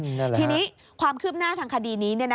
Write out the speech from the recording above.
ทีนี้ความคืบหน้าทางคดีนี้